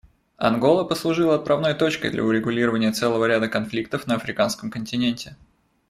Ангола послужила отправной точкой для урегулирования целого ряда конфликтов на Африканском континенте.